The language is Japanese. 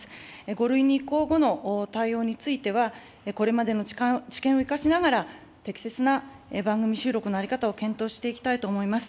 ５類に移行後の対応については、これまでの知見を生かしながら、適切な番組収録の在り方を検討していきたいと思います。